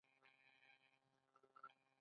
ایا زما په خبره پوه شوئ؟